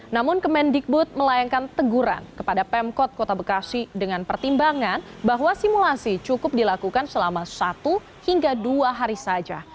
namun kemendikbud melayangkan teguran kepada pemkot kota bekasi dengan pertimbangan bahwa simulasi cukup dilakukan selama satu hingga dua hari saja